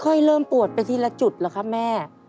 เริ่มปวดไปทีละจุดเหรอคะแม่